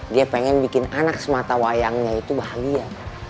dia pengen bikin anak sematawayangnya itu bahagia